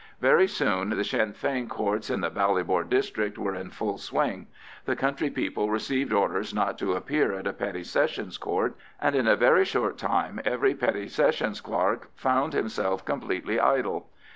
Very soon the Sinn Fein Courts in the Ballybor district were in full swing; the country people received orders not to appear at a Petty Sessions Court, and in a very short time every Petty Sessions clerk found himself completely idle.